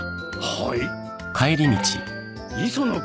はい。